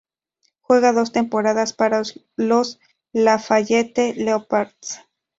Juega dos temporadas para los Lafayette Leopards.